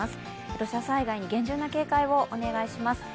土砂災害に厳重な警戒をお願いします。